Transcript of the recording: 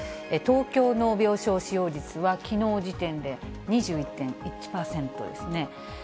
東京の病床使用率は、きのう時点で２１．１％ですね。